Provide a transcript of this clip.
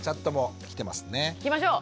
いきましょう。